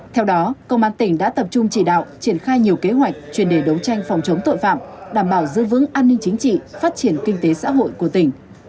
theo đó công an tỉnh đã tập trung chỉ đạo triển khai nhiều kế hoạch chuyên đề đấu tranh phòng chống tội phạm đảm bảo giữ vững an ninh chính trị phát triển kinh tế xã hội của tỉnh